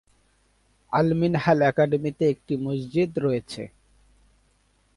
আল-মিনহাল একাডেমিতে একটি মসজিদ রয়েছে।